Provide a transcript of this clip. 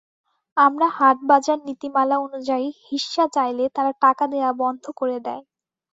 আমরা হাটবাজার নীতিমালা অনুযায়ী হিস্যা চাইলে তারা টাকা দেওয়া বন্ধ করে দেয়।